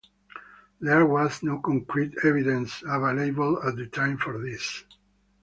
There was no concrete evidence available at the time for this.